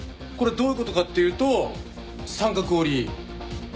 これどういう事かっていうと三角折り。